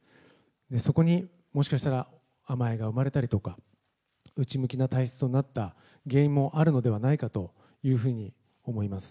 そこに、もしかしたら甘えが生まれたりとか、内向きな体質となった原因もあるのではないかと思います。